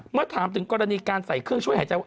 เมื่อถามถึงกรณีการใส่เครื่องช่วยหายใจว่า